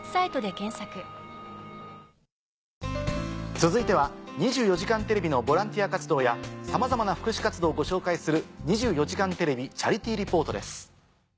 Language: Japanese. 続いては『２４時間テレビ』のボランティア活動やさまざまな福祉活動をご紹介する。